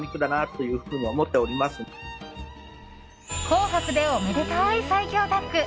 紅白でおめでたい最強タッグ。